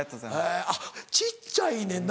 あっ小っちゃいねんな。